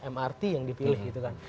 mrt yang dipilih gitu kan